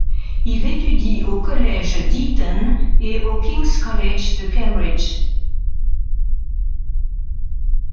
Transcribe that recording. Il étudie au Collège d'Eton et au King's College de Cambridge.